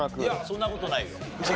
そんな事ないよ。